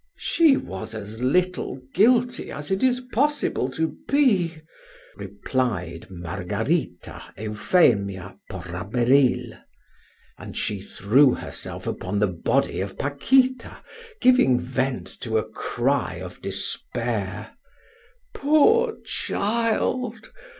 "She was as little guilty as it is possible to be," replied Margarita Euphemia Porraberil, and she threw herself upon the body of Paquita, giving vent to a cry of despair. "Poor child!